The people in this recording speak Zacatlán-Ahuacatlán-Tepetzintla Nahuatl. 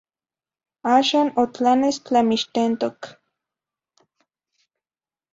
Axan otlanes tlamixtentok.